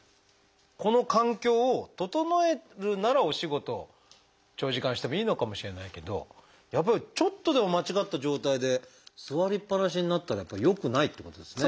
この環境を整えるならお仕事長時間してもいいのかもしれないけどやっぱりちょっとでも間違った状態で座りっぱなしになったらやっぱり良くないっていうことですね。